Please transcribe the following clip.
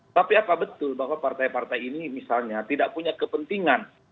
tapi apa betul bahwa partai partai ini misalnya tidak punya kepentingan